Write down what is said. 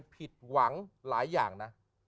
ผิดหวังหลายอย่างนะ